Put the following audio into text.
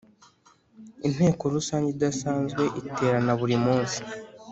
Intenko Rusange idasanzwe iterana buri munsi